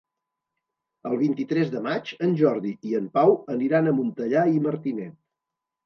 El vint-i-tres de maig en Jordi i en Pau aniran a Montellà i Martinet.